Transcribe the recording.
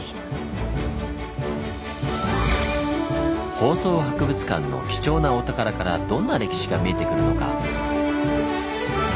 放送博物館の貴重なお宝からどんな歴史が見えてくるのか？